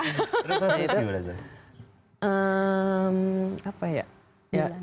terus rasanya gimana